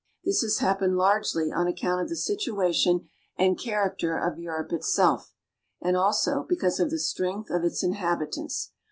This has happened largely on account of the situation and character of Europe itself, and also because of the strength of its inhabitants.